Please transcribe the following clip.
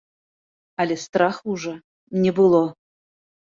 Але страху ўжо не было.